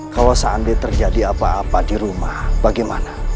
kalau seandainya terjadi apa apa di rumah bagaimana